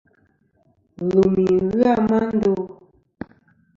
Lùmi ghɨ a ma ndo.